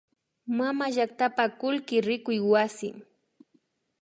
Mamallaktapa kullki rikuy wasi